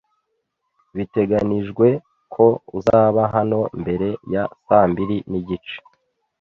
Biteganijwe ko uzaba hano mbere ya saa mbiri nigice.